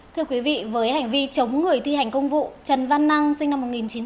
thưa quý vị với hành vi chống người thi hành công vụ trần văn năng sinh năm một nghìn chín trăm tám mươi